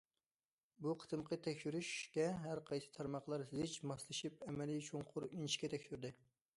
بۇ قېتىمقى تەكشۈرۈشكە ھەر قايسى تارماقلار زىچ ماسلىشىپ، ئەمەلىي، چوڭقۇر، ئىنچىكە تەكشۈردى.